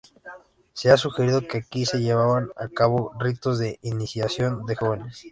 Se ha sugerido que aquí se llevaban a cabo ritos de iniciación de jóvenes.